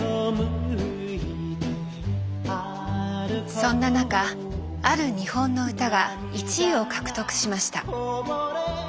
そんな中ある日本の歌が１位を獲得しました。